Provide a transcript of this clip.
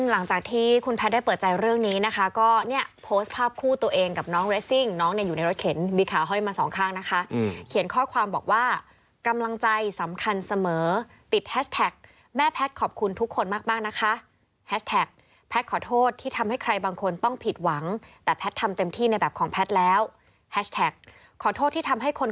และแพทย์ก็รู้ว่าเขาทำหน้าที่นี่ได้ดีมาก